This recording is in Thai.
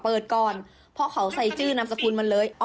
เปิดก่อนเพราะเขาใส่ชื่อนามสกุลมาเลย